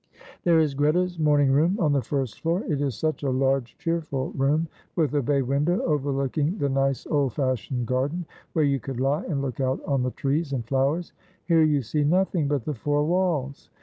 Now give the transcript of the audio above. "There is Greta's morning room on the first floor, it is such a large, cheerful room, with a bay window overlooking the nice, old fashioned garden, where you could lie and look out on the trees and flowers; here you see nothing but the four walls.